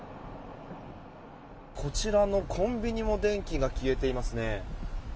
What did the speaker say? こちらのコンビニも電気が消えていますね。